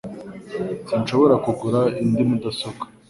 Sinshobora kugura indi mudasobwa